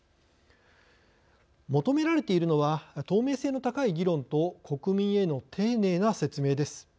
求められているのは透明性の高い議論と国民への丁寧な説明です。